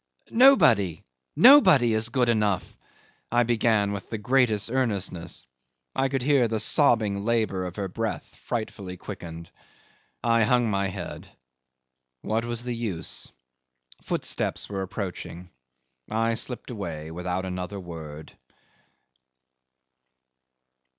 "Nobody, nobody is good enough," I began with the greatest earnestness. I could hear the sobbing labour of her breath frightfully quickened. I hung my head. What was the use? Footsteps were approaching; I slipped away without another word.